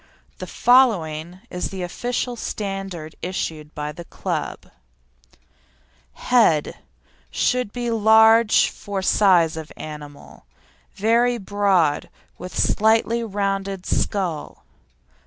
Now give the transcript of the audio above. The following is the official standard issued by the Club: HEAD Should be large for size of animal, very broad and with slightly rounded skull.